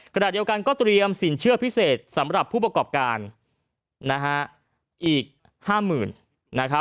ขณะเดียวกันก็เตรียมสินเชื่อพิเศษสำหรับผู้ประกอบการอีก๕๐๐๐